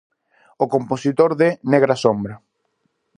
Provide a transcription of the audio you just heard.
O compositor de "Negra Sombra".